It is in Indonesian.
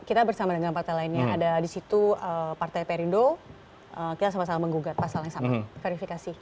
kita bersama dengan partai lainnya ada di situ partai perindo kita sama sama menggugat pasal yang sama verifikasi